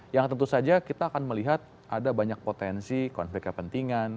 yang tentu saja kita akan melihat ada banyak potensi konflik kepentingan